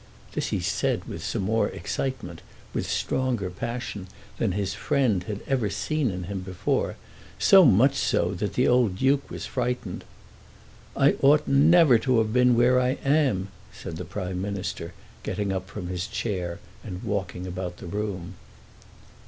This he said with more excitement, with stronger passion, than his friend had ever seen in him before; so much so that the old Duke was frightened. "I ought never to have been where I am," said the Prime Minister, getting up from his chair and walking about the room.